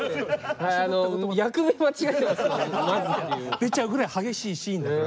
出ちゃうぐらい激しいシーンだから。